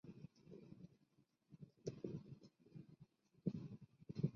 棉行街在历史上曾经是生产棉花制造服装或冬季毛毯的街道。